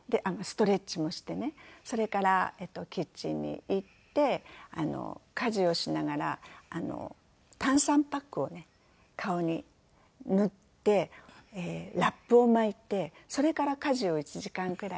それからキッチンに行って家事をしながら炭酸パックをね顔に塗ってラップを巻いてそれから家事を１時間くらいして。